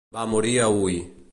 Va morir a Huy.